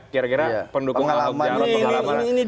kira kira pendukung pengalaman